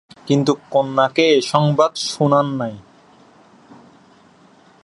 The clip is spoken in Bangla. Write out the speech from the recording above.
কিন্তু কন্যাকে এ সংবাদ শুনান নাই।